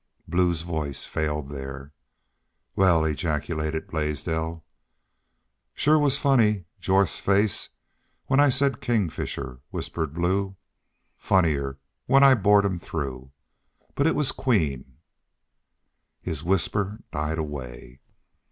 Blue's voice failed there. "Wal!" ejaculated Blaisdell. "Shore was funny Jorth's face when I said King Fisher," whispered Blue. "Funnier when I bored him through.... But it was Queen " His whisper died away.